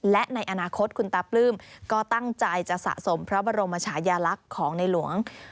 และในอนาคตคุณตาปลื้มก็ตั้งใจจะสะสมพระบรมชายาลักษณ์ของในหลวง